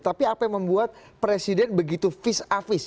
tapi apa yang membuat presiden begitu vis a vis